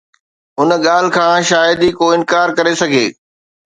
ان ڳالهه کان شايد ئي ڪو انڪار ڪري سگهي